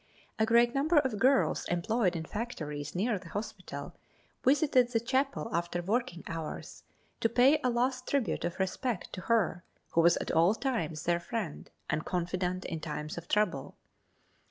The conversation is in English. A great number of girls employed in factories near the hospital visited the chapel after working hours to pay a last tribute of respect to her who was at all times their friend and confidant in times of trouble.